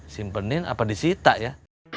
simpenin apa disita ya